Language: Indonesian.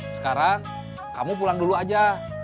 sekarang kamu pulang dulu aja